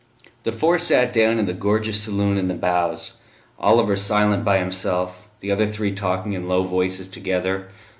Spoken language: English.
The four sat down in the gorgeous saloon in the bows; Oliver silent by himself, the other three talking in low voices together.